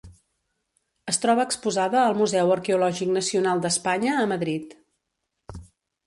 Es troba exposada al Museu Arqueològic Nacional d'Espanya a Madrid.